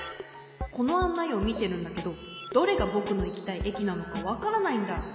このあんないをみてるんだけどどれがぼくのいきたいえきなのかわからないんだ。